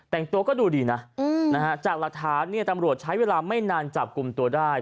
แต่งตัวก็ดูดีน่ะอืมนะฮะจากรัฐานี่ตำรวจใช้เวลาไม่นานจับกลุ่มตัวได้